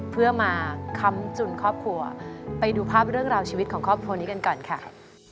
เพื่อมาค้ำจุนครอบครัวไปดูภาพเรื่องราวชีวิตของครอบครัวนี้กันก่อนค่ะ